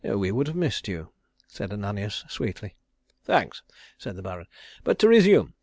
"We should have missed you," said Ananias sweetly. "Thanks," said the Baron. "But to resume.